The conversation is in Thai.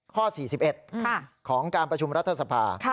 ข้อ๔๑ของการประชุมรัฐสภา